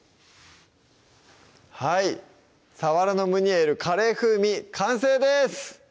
はい「鰆のムニエルカレー風味」完成です！